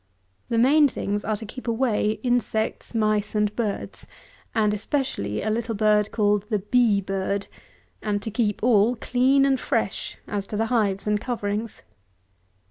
The main things are to keep away insects, mice, and birds, and especially a little bird called the bee bird; and to keep all clean and fresh as to the hives and coverings.